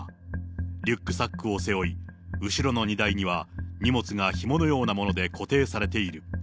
リュックサックを背負い、後ろの荷台には、荷物がひものようなもので固定されている。